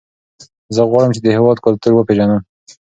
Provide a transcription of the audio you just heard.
زه غواړم چې د هېواد کلتور وپېژنم.